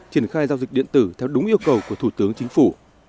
triển khai giao dịch điện tử theo đúng yêu cầu của thủ tướng chính phủ